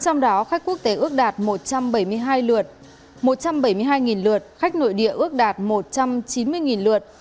trong đó khách quốc tế ước đạt một trăm bảy mươi hai lượt khách nội địa ước đạt một trăm chín mươi lượt